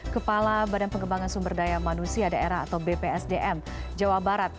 kepala badan pengembangan sumber daya manusia daerah atau bpsdm jawa barat